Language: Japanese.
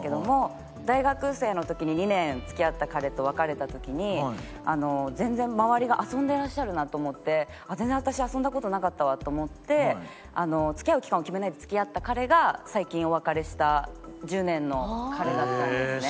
大学生の時に２年付き合った彼と別れた時に全然周りが遊んでらっしゃるなと思って全然私遊んだ事なかったわと思って付き合う期間を決めないで付き合った彼が最近お別れした１０年の彼だったんですね。